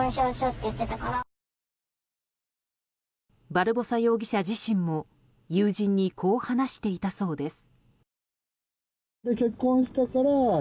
バルボサ容疑者自身も友人にこう話していたそうです。